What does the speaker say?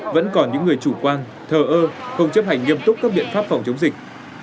vẫn còn những người chủ quan thờ ơ không chấp hành nghiêm túc các biện pháp phòng chống dịch